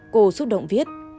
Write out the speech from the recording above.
cô xúc động viết